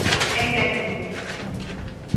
Ecléctico.